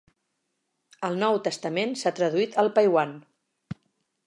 El Nou Testament s'ha traduït al paiwan.